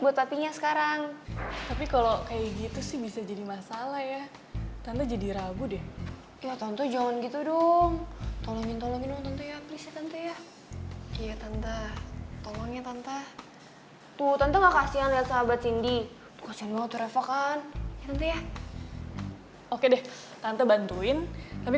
mereka lagi mereka lagi